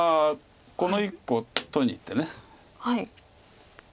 この１個取りにいって。